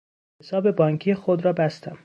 حساب بانکی خود را بستم.